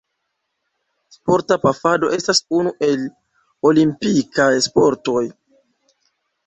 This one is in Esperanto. Sporta pafado estas unu el olimpikaj sportoj.